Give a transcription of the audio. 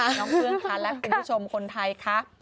น้องเฟื้องค่ะและคุณผู้ชมคนไทยคะ